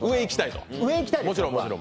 上行きたいです。